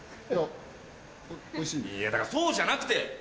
だからそうじゃなくて。